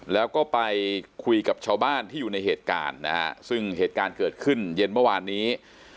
แล้วก็ไปคุยกับชาวบ้านที่อยู่ในเหตุการณ์นะฮะซึ่งเหตุการณ์เกิดขึ้นเย็นเมื่อวานนี้